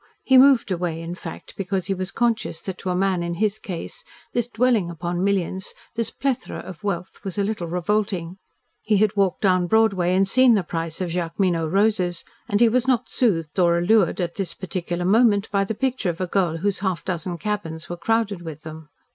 He moved away, in fact, because he was conscious that to a man in his case, this dwelling upon millions, this plethora of wealth, was a little revolting. He had walked down Broadway and seen the price of Jacqueminot roses, and he was not soothed or allured at this particular moment by the picture of a girl whose half dozen cabins were crowded with them.